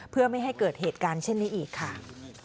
เพื่อไม่ให้เกิดเหตุการณ์เช่นนี้อีกค่ะ